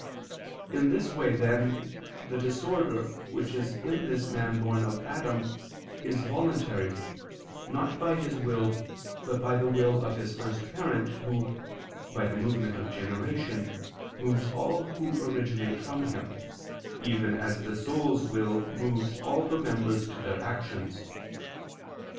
In this way, then, the disorder which is in this man born of Adam, is voluntary, not by his will, but by the will of his first parent, who, by the movement of generation, moves all who originate from him, even as the soul's will moves all the members to their actions.